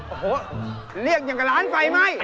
โอ้โหเรียกอย่างกับร้านไฟไหม้